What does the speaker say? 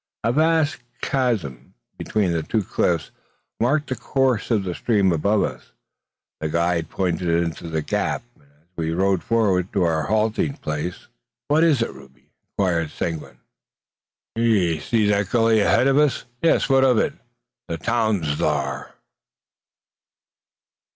A vast chasm between two cliffs marked the course of the stream above us. The guide pointed into the gap, as we rode forward to our halting place. "What is it, Rube?" inquired Seguin. "'Ee see that gully ahead o' us?" "Yes; what of it?" "The town's thur."